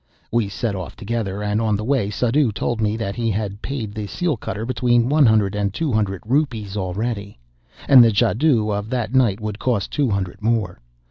We set off together; and on the way Suddhoo told me that he had paid the seal cutter between one hundred and two hundred rupees already; and the jadoo of that night would cost two hundred more.